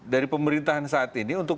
dari pemerintahan saat ini untuk